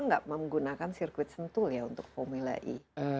tidak menggunakan sirkuit sentul ya untuk formula e